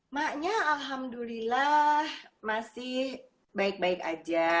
maknya alhamdulillah masih baik baik aja